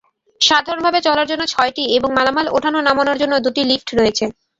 সাধারণভাবে চলার জন্য ছয়টি এবং মালামাল ওঠানো-নামানোর জন্য দুটি লিফট রয়েছে।